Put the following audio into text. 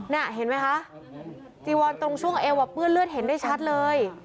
เห็นไหมคะจีวอนตรงช่วงเอวเปื้อนเลือดเห็นได้ชัดเลย